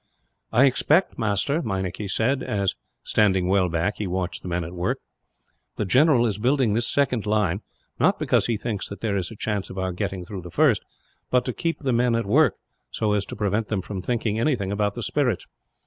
"I expect, master," Meinik said as, standing well back, he watched the men at work, "the general is building this second line, not because he thinks that there is a chance of our getting through the first, but to keep the men at work, so as to prevent them from thinking anything about the spirits.